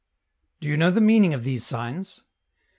*' Do you know the meaning of these signs